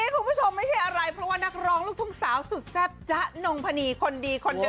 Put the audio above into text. คุณผู้ชมไม่ใช่อะไรเพราะว่านักร้องลูกทุ่งสาวสุดแซ่บจ๊ะนงพนีคนดีคนเดิม